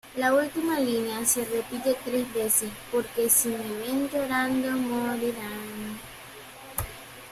La última línea se repite tres veces, ""Porque, si me ven llorando, morirán"".